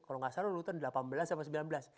kalau gak salah lu lutan delapan belas sama sembilan belas